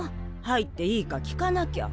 入っていいか聞かなきゃ。